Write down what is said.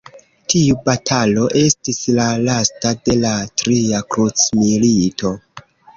Tiu batalo estis la lasta de la tria krucmilito.